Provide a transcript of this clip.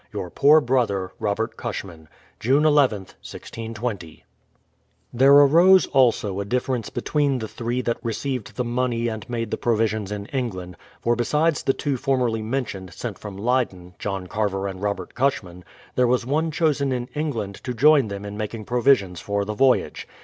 Your poor brother, ROBERT CUSHMAN. June lith, 1620. There arose, also, a difference between the three that re ceived the money and made the provisions in England; for besides the two formerly mentioned, sent from Leyden, — John Carver and Robert Cushman, — there was one chosen in England to join them in making provisions for the voy age.